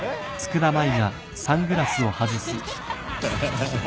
ハハハハ。